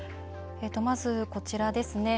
まず、こちらです。